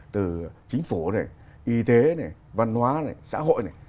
từ chính phủ này y tế này văn hóa này xã hội này